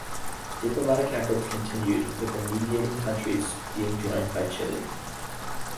Diplomatic efforts continued, with the mediating countries being joined by Chile.